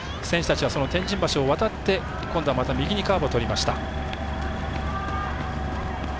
選手たちは天神橋を渡って右にカーブをとりました。